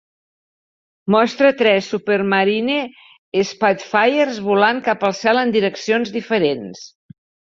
Mostra tres Supermarine Spitfires volant cap al cel en direccions diferents.